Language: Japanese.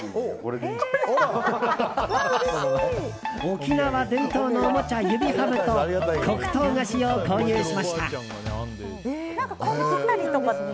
沖縄伝統のおもちゃ、指ハブと黒糖菓子を購入しました。